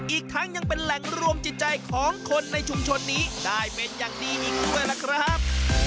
อีกทั้งยังเป็นแหล่งรวมจิตใจของคนในชุมชนนี้ได้เป็นอย่างดีอีกด้วยล่ะครับ